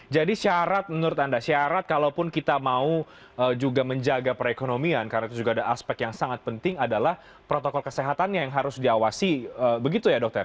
jadi syarat menurut anda syarat kalau pun kita mau juga menjaga perekonomian karena itu juga ada aspek yang sangat penting adalah protokol kesehatannya yang harus diawasi begitu ya dokter